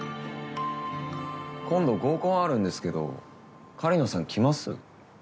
今度合コンあるんですけど狩野さん来ます？